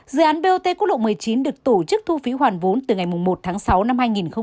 dự án bot quốc lộ một mươi chín được tổ chức thu phí hoàn vốn từ ngày một tháng sáu năm hai nghìn hai mươi